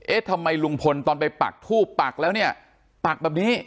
ทำไมลุงพลตอนไปปักทูบปักแล้วเนี่ยปักแบบนี้